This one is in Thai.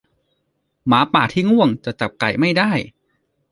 หมาป่าที่ง่วงจะจับไก่ไม่ได้